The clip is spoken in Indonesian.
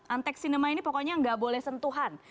antek cinema ini pokoknya nggak boleh sentuhan